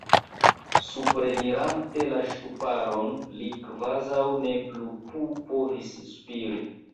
Suprenirinte la ŝtuparon, li kvazaŭ ne plu povis spiri.